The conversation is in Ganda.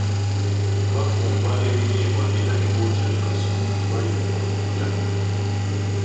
Baafumba ebinyeebwa era ne bookya ne kasooli ne balya ne bakkuta.